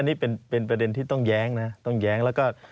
นี่เป็นประเด็นที่ต้องแย้งนะต้องแย้งแล้วก็